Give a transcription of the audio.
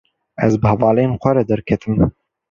Ez bi hevalan xwe re derketim.